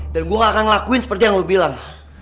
dan gue gak akan ngelakuin seperti yang lo bilang